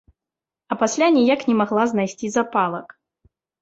А пасля ніяк не магла знайсці запалак.